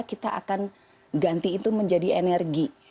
kita akan ganti itu menjadi energi